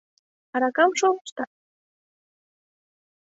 Аракам шолыштат?!